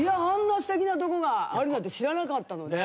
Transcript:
すてきなとこがあるなんて知らなかったので。